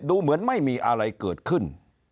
ดูเหมือนไม่มีอะไรเกิดขึ้น